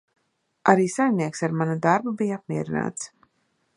Arī saimnieks ar manu darbu bija apmierināts.